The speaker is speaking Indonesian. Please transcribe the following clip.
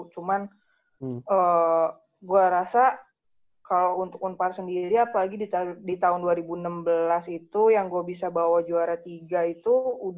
cuman gue rasa kalau untuk unpar sendiri apalagi di tahun dua ribu enam belas itu yang gue bisa bawa juara tiga itu